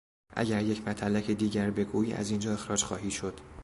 اگر یک متلک دیگر بگویی از این جا اخراج خواهی شد!